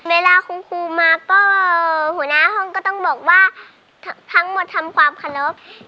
เวลาคุณครูมาก็หัวหน้าห้องก็ต้องบอกว่าทั้งหมดทำความเคารพ